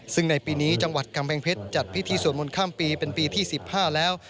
ซึ่งในปีนี้จังหวัดกำแพงเพชรจัดพิธีสวดมนต์ข้ามปีเป็นปีที่๑๕แล้ว